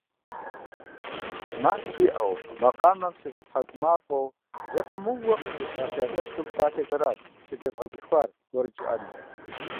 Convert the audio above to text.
Макъ сиӀэу, макъамэм сыхуэтхьэкӀумафӀэу зэпымыууэ къызжезыӀэ си адэшхуэм и псалъэхэращ сытезыгъэгушхуар уэрэд жыӀэным.